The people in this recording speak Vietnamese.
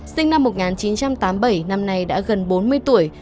sinh năm một nghìn chín trăm tám mươi bảy năm nay đã gần bốn mươi tuổi